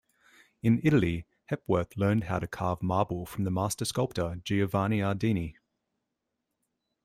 In Italy, Hepworth learned how to carve marble from the master sculptor, Giovanni Ardini.